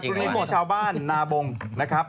จากกรุณิโหมชาวบ้านนาบงนะครับ